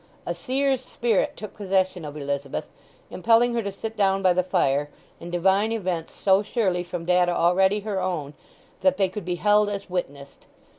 A seer's spirit took possession of Elizabeth, impelling her to sit down by the fire and divine events so surely from data already her own that they could be held as witnessed.